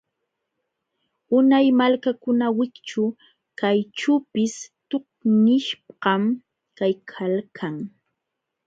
Unay malkakuna wikćhu kayćhuupis tuqnishqam kaykalkan.